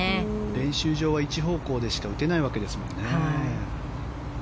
練習場は一方向でしか打てないわけですもんね。